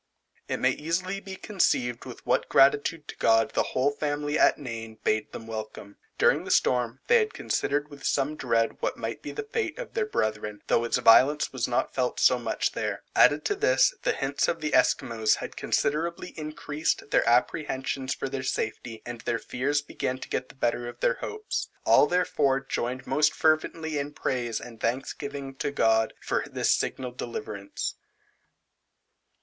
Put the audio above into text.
It may easily be conceived with what gratitude to God the whole family at Nain bade them welcome. During the storm, they had considered with some dread, what might be the fate of their brethren, though its violence was not felt so much there. Added to this, the hints of the Esquimaux had considerably increased their apprehensions for their safety, and their fears began to get the better of their hopes. All, therefore, joined most fervently in praise and thanksgiving to God, for this signal deliverance.